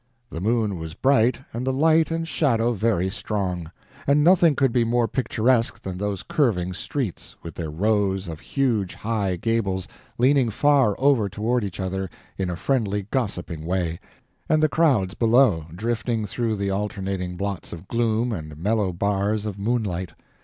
The moon was bright, and the light and shadow very strong; and nothing could be more picturesque than those curving streets, with their rows of huge high gables leaning far over toward each other in a friendly gossiping way, and the crowds below drifting through the alternating blots of gloom and mellow bars of moonlight.